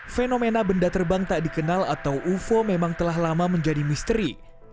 fenomena benda terbang tak dikenal atau ufo memang telah lama menjadi misteri